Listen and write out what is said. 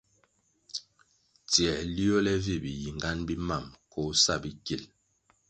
Tsiē liole vi biyingan bi mam koh sa bikil.